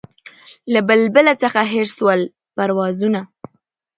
له بلبله څخه هېر سول پروازونه